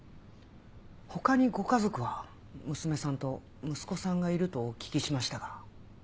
他にご家族は娘さんと息子さんがいるとお聞きしましたが。